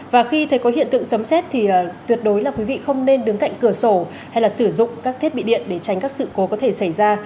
và khi thấy có hiện tượng sấm xét thì tuyệt đối là quý vị không nên đứng cạnh cửa sổ hay là sử dụng các thiết bị điện để tránh các sự cố có thể xảy ra